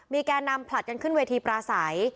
แก่นำผลัดกันขึ้นเวทีปลาใส